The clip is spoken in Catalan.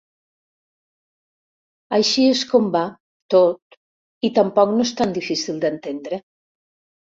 Així és com va, tot, i tampoc no és tan difícil d'entendre.